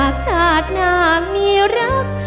เม้นหากชาตินางมีรัก